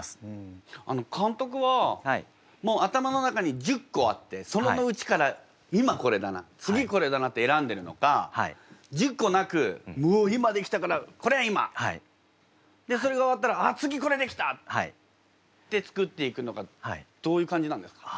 監督はもう頭の中に１０個あってそれのうちから今これだな次これだなって選んでるのか１０個なくもう今出来たからこれ今！でそれが終わったらあ次これ出来た！って作っていくのかどういう感じなんですか？